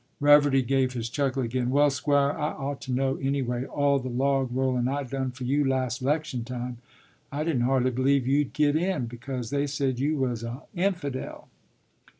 ” Reverdy gave his chuckle again. “Well, Squire, I ought to know, anyway, all the log rollin' I done for you last 'lection time. I didn't hardly believe you'd git in, because they said you was a infidel.